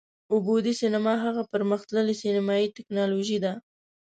اووه بعدی سینما هغه پر مختللې سینمایي ټیکنالوژي ده،